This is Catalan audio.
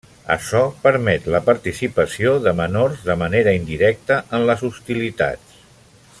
Açò permet la participació de menors de manera indirecta en les hostilitats.